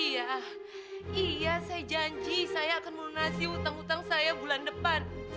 iya iya saya janji saya akan melunasi utang utang saya bulan depan